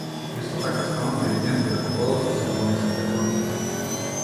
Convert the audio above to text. Исто така станал диригент и раководел со симфониските концерти.